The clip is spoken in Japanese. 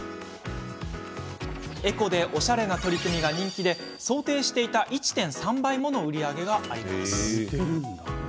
エコでオシャレな取り組みが人気で想定していた１．３倍もの売り上げがあります。